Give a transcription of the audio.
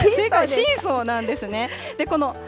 正解、シーソーなんですね。